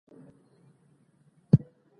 د علم زدي کړي لپاره هيڅ وخت ناوخته نه دي .